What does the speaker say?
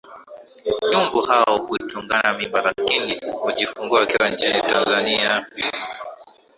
nyumbu hao hutunga mimba lakini hujifungua wakiwa nchini Tanzania